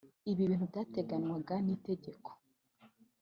ibintu byateganywaga n’itegeko